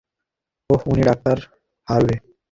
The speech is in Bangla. ওহ, উনি ডাঃ হারভে।